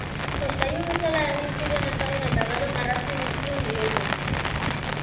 Jostailu bezala egin ziren ezagun eta gero, marrazki bizidun bihurtu.